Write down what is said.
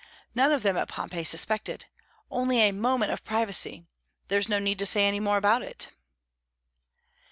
None of them at Pompeii suspected only a moment of privacy; there's no need to say any more about it."